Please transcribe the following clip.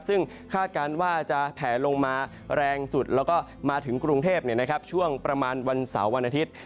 ซึ่งคาดการณ์ว่าจะแผลลงมาแรงสุดแล้วก็มาถึงกรุงเทพช่วงประมาณวันเสาร์วันอาทิตย์